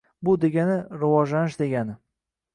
Bu degani – rivojlanish degani.